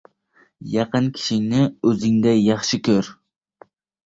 Yaqin kishingni oʻzingday yaxshi koʻr